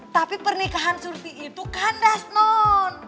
tapi pernikahan surfi itu kandas non